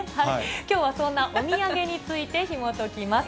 きょうはそんなお土産について、ひもときます。